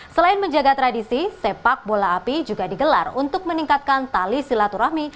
selain menjaga tradisi sepak bola api juga digelar untuk meningkatkan tali silaturahmi